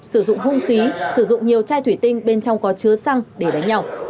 sử dụng hung khí sử dụng nhiều chai thủy tinh bên trong có chứa xăng để đánh nhau